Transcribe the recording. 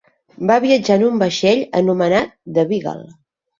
Va viatjar en un vaixell anomenat The Beagle.